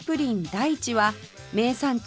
大地は名産地